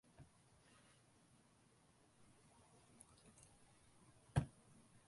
கேட்பார் மனம் செப்பமாக இருக்கத்தக்க வகையில் இன்சொற்களைக் கூறாது போனால் பயன் கிடைக்குமா?